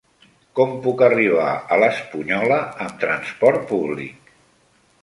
Com puc arribar a l'Espunyola amb trasport públic?